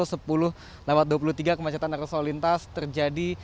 lepas dua puluh tiga kemacetan arus solintas terjadi